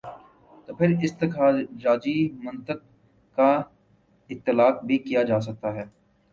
تو پھر استخراجی منطق کا اطلاق بھی کیا جا سکتا ہے۔